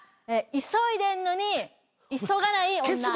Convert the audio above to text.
急いでんのに急がない女。